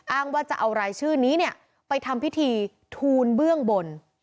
อ้างว่าจะเอารายชื่อนี้ไปทำพิธีทูลเบื้องบน